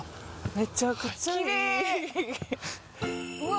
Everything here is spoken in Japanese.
めちゃくちゃいいきれいうわ